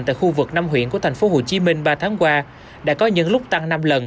tại khu vực năm huyện của thành phố hồ chí minh ba tháng qua đã có những lúc tăng năm lần